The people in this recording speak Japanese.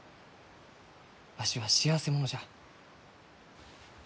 わしは幸せ者じゃ。